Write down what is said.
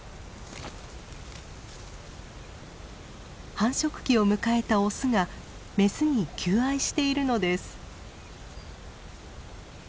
繁殖期を迎えたオスがメスに求愛しているのです。